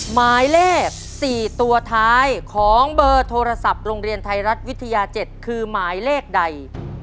หมายเลข๔ตัวท้ายของเบอร์โทรศัพท์โรงเรียนไทยรัฐวิทยา๗คือหมายเลขใด